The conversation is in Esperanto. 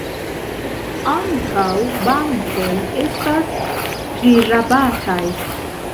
Ankaŭ bankoj estas prirabataj.